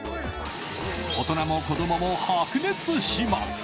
大人も子供も白熱します！